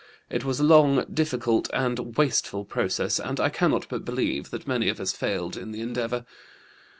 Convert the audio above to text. It was a long, difficult, and wasteful process, and I cannot but believe that many of us failed in the endeavor.